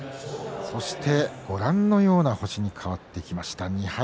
そしてご覧のような星に変わってきました。